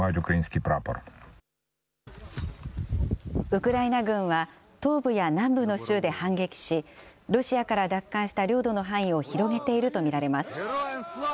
ウクライナ軍は、東部や南部の州で反撃し、ロシアから奪還した領土の範囲を広げていると見られます。